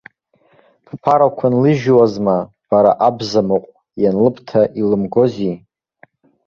Бԥарақәа нлыжьуазма, бара абзамыҟә, ианлыбҭа, илымгози!